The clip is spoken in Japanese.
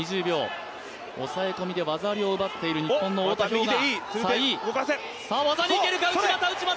抑え込みで技ありを奪っている日本の太田彪雅。